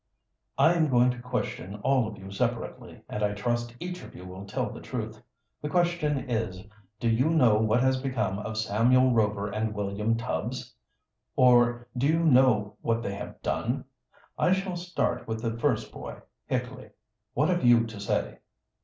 "I am going to question all of you separately, and I trust each of you will tell the truth. The question is, Do you know what has become of Samuel Rover and William Tubbs? or Do you know what they have done? I shall start with the first boy. Hickley, what have you to say?"